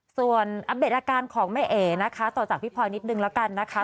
ส่วนอัปเดตอาการของแม่เอ๋นะคะต่อจากพี่พลอยนิดนึงแล้วกันนะคะ